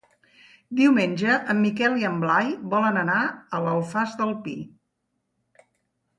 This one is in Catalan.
Diumenge en Miquel i en Blai volen anar a l'Alfàs del Pi.